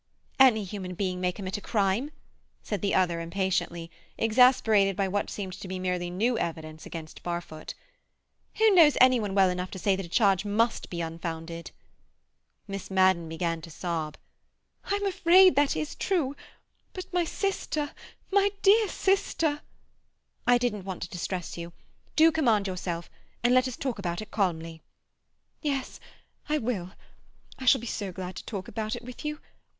"Any human being may commit a crime," said the other impatiently, exasperated by what seemed to be merely new evidence against Barfoot. "Who knows any one well enough to say that a charge must be unfounded?" Miss Madden began to sob. "I'm afraid that is true. But my sister—my dear sister—" "I didn't want to distress you. Do command yourself, and let us talk about it calmly." "Yes—I will—I shall be so glad to talk about it with you.